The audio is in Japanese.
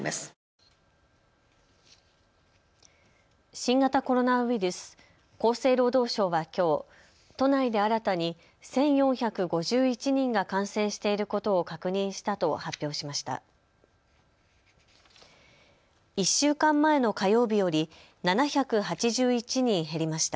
新型コロナウイルス、厚生労働省はきょう都内で新たに１４５１人が感染していることを確認したと発表しました。